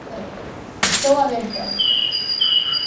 Estou aberta.